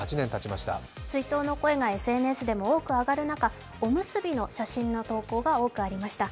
追悼の声がＳＮＳでも多く上がる中、おむすびの写真の投稿が多くありました。